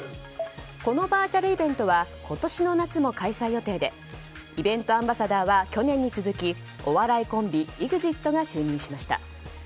このバーチャルイベントは今年の夏も開催予定でイベントアンバサダーは去年に続きお笑いコンビＥＸＩＴが就任しました。